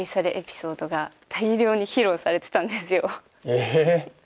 え？